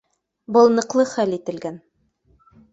Был ныҡлы хәл ителгән